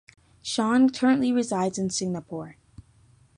Chan currently resides in Singapore.